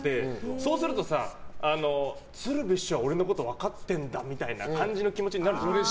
そうするとさ、鶴瓶師匠は俺のこと分かってるなみたいな感じの気持ちになるでしょう。